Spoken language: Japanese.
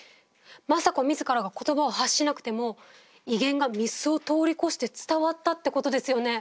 政子自らが言葉を発しなくても威厳が御簾を通り越して伝わったってことですよね。